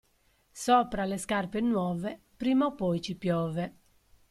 Sopra le scarpe nuove, prima o poi ci piove.